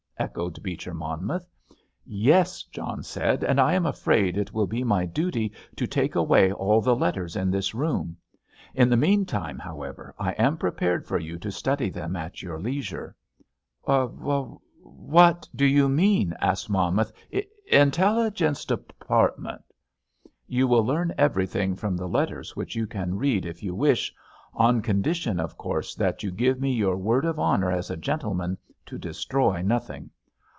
echoed Beecher Monmouth. "Yes," John said; "and I am afraid it will be my duty to take away all the letters in this room. In the meantime, however, I am prepared for you to study them at your leisure." "What do you mean?" asked Monmouth. "Intelligence Department——" "You will learn everything from the letters, which you can read if you wish—on condition, of course, that you give me your word of honour as a gentleman to destroy nothing.